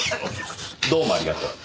どうもありがとう。